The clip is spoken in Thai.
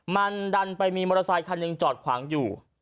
มันดันไปมีมอเตอร์ไซคันหนึ่งจอดขวางอยู่